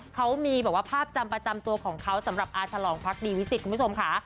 เขามีแบบว่าภาพจำประจำตัวของเขาสำหรับอาฉลองพักดีวิจิตคุณผู้ชมค่ะ